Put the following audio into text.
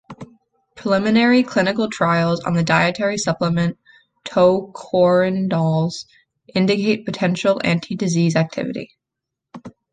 Preliminary clinical trials on dietary supplement tocotrienols indicate potential for anti-disease activity.